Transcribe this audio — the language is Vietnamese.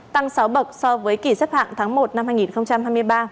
tăng sáu bậc so với kỳ xếp hạng tháng một năm hai nghìn hai mươi ba